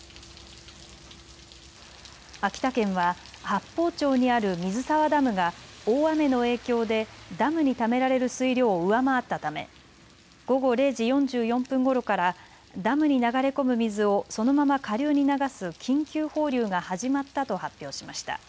秋田県は八峰町にある水沢ダムが大雨の影響でダムにためられる水量を上回ったため午後０時４４分ごろからダムに流れ込む水をそのまま下流に流す緊急放流が始まったと発表しました。